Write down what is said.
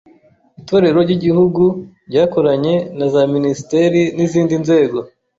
Itorero ry’gihugu ryakoranye na za Minisiteri n’izindi nzego